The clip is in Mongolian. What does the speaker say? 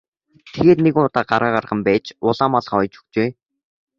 Тэгээд нэгэн удаа гараа гарган байж улаан малгай оёж өгчээ.